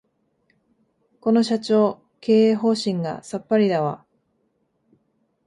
この社長、経営方針がさっぱりだわ